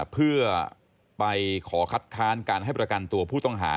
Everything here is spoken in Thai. เพื่อไปขอคัดค้านการให้ประกันตัวผู้ต้องหา